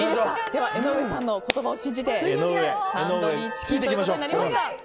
江上さんの言葉を信じてタンドリーチキンとなりました。